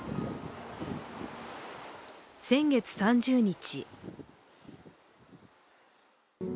先月３０日。